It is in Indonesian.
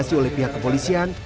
dihasil oleh pihak kepolisian